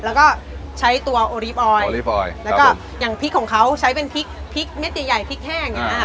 แล้วก็ใช้ตัวโอรีฟออยล์แล้วก็อย่างพริกของเขาใช้เป็นพริกเม็ดใหญ่พริกแห้ง